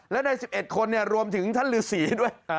และใน๑๑คนรวมถึงท่านฤษีด้วย